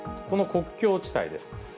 この国境地帯です。